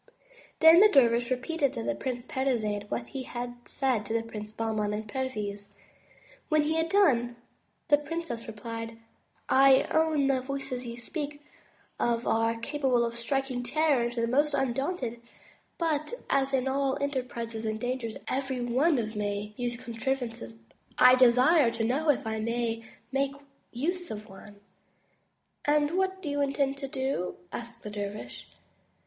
Then the dervish repeated to the Princess Parizade what he had said to the Princes Bahman and Perviz. When he had done, the princess replied: '*I own the voices you speak of are capable of striking terror into the most undaunted, but as in 68 THE TREASURE CHEST all enterprises and dangers every one may use contrivances, I desire to know if I may make use of one/' And what do you intend to do?" asked the dervish.